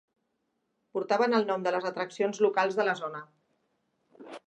Portaven el nom de les atraccions locals de la zona.